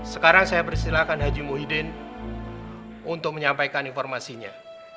sekarang saya persilahkan haji muhyiddin untuk menyampaikan informasinya